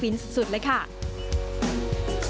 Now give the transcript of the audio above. หมูดำขึ้นชื่อของภูมิภาคคิวชูค่ะรสชาติกรุบกรอบเนื้อหมูก็นุ่มลิ้น